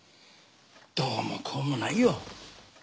どうもこうもないよ。